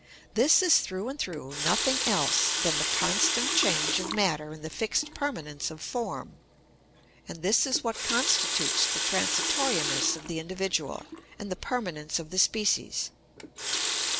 This is through and through nothing else than the constant change of matter in the fixed permanence of form; and this is what constitutes the transitoriness of the individual and the permanence of the species.